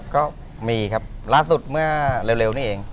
ก็มีครับล่าสุดเมื่อเร็วนี้เอง